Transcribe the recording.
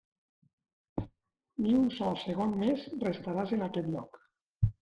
Ni un sol segon més restaràs en aquest lloc.